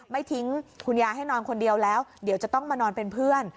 ไม่ทิ้งคุณยายให้นอนคนเดียวแล้วเดี๋ยวจะต้องมานอนเป็นเพื่อน